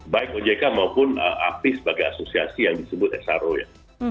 baik ojk maupun api sebagai asosiasi yang disebut sro ya